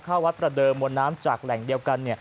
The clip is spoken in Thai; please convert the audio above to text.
เข้าวัดประเดิมมวลน้ำจากแหล่งเดียวกัน